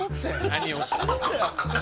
何をしてるんだよ。